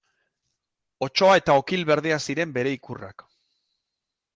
Otsoa eta okil berdea ziren bere ikurrak.